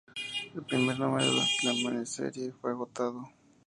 El primer número de la miniserie fue agotado.